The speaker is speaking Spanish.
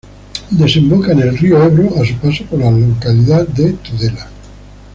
Desemboca en el río Ebro a su paso por la localidad de Tudela.